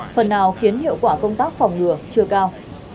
phần nào khiến hiệu quả công tác phòng ngừa chưa cao